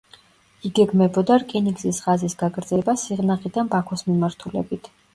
იგეგმებოდა რკინიგზის ხაზის გაგრძელება სიღნაღიდან ბაქოს მიმართულებით.